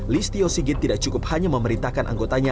listio sigit tidak cukup hanya memerintahkan anggotanya